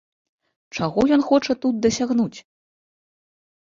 Чаго ён хоча тут дасягнуць?